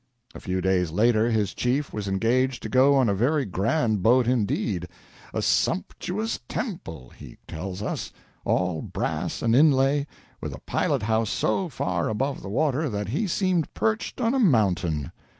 A few days later his chief was engaged to go on a very grand boat indeed a "sumptuous temple," he tells us, all brass and inlay, with a pilot house so far above the water that he seemed perched on a mountain.